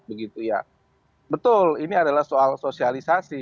betul ini adalah soal sosialisasi